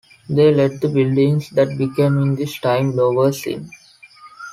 They let the building that became in this time "Blowers Inn".